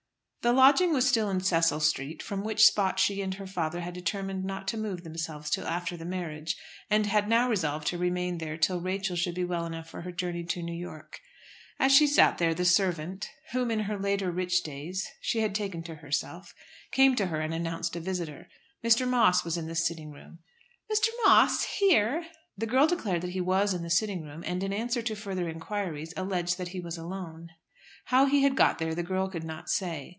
The lodging was still in Cecil Street, from which spot she and her father had determined not to move themselves till after the marriage, and had now resolved to remain there till Rachel should be well enough for her journey to New York. As she sat there the servant, whom in her later richer days she had taken to herself, came to her and announced a visitor. Mr. Moss was in the sitting room. "Mr. Moss here!" The girl declared that he was in the sitting room, and in answer to further inquiries alleged that he was alone. How he had got there the girl could not say.